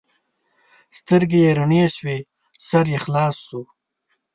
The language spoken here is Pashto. سترګې یې رڼې شوې؛ سر یې خلاص شو.